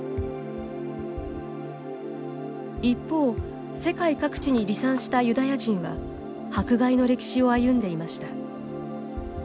一方、世界各地に離散したユダヤ人は迫害の歴史を歩んでいました。